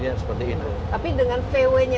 biar seperti itu tapi dengan vw nya